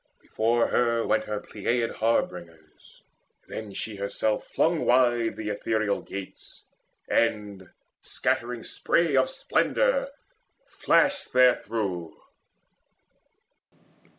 Before her went her Pleiad harbingers, Then she herself flung wide the ethereal gates, And, scattering spray of splendour, flashed there through.